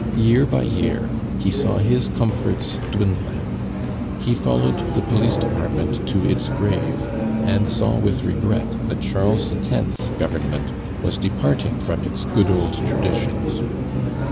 Year by year he saw his comforts dwindling. He followed the police department to its grave, and saw with regret that Charles X.'s government was departing from its good old traditions.